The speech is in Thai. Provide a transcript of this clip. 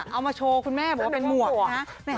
เอามาโชว์คุณแม่บอกว่าเป็นหมวกนะ